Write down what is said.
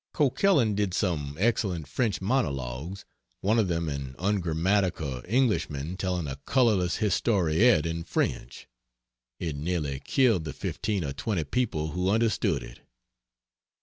Coquelin did some excellent French monologues one of them an ungrammatical Englishman telling a colorless historiette in French. It nearly killed the fifteen or twenty people who understood it.